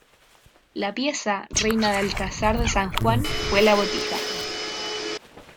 La pieza reina de Alcázar de San Juan fue la botija.